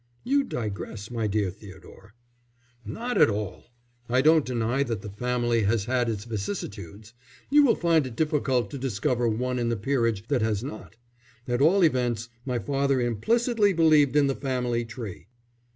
"You digress, my dear Theodore." "Not at all! I don't deny that the family has had its vicissitudes; you will find it difficult to discover one in the peerage that has not. At all events my father implicitly believed in the family tree."